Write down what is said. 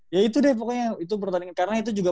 ya itu deh pokoknya itu pertandingan karena itu juga